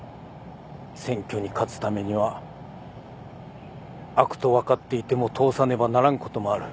選挙に勝つためには悪と分かっていても通さねばならんこともある。